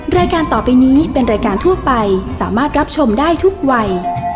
รายการต่อไปนี้เป็นรายการทั่วไปสามารถรับชมได้ทุกวัย